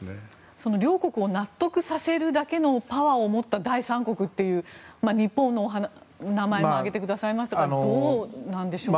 その両国を納得させるだけのパワーを持った第三国という日本の名前も挙げてくださいましたけどどうなんですか？